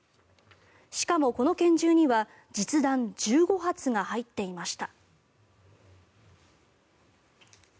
しかもこの拳銃には実弾１５発が入っていました。